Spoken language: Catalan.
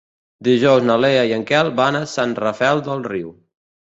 Dijous na Lea i en Quel van a Sant Rafel del Riu.